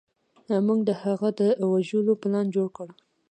موږ د هغه د وژلو پلان جوړ کړ.